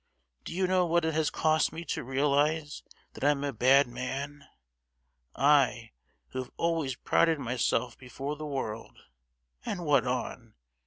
Do you know what it has cost me to realise that I am a bad man? I, who have always prided myself before the world—and what on?